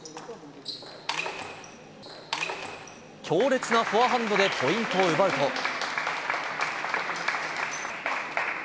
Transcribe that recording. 強烈なフォアハンドでポイントを奪うと。